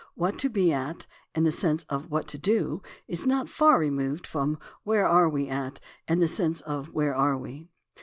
"What to be at," in the sense of "what to do," is not far removed from "where are we at," in the sense of "where are we."